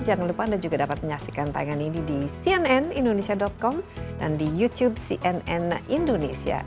jangan lupa anda juga dapat menyaksikan tangan ini di cnnindonesia com dan di youtube cnn indonesia